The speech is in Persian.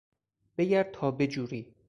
بگرد تا بجوری!